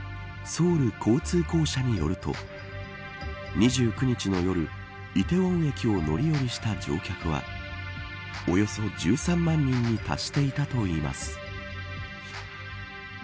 ソウル交通公社によると２９日の夜、梨泰院駅を乗り降りした乗客はおよそ１３万人に達していたといいます。